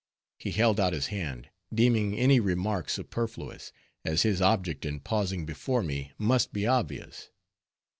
He held out his hand, deeming any remark superfluous, as his object in pausing before me must be obvious.